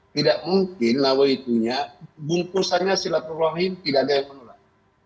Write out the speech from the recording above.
tidak mungkin lawan itunya bungkusannya silatul rahim tidak ada yang menolak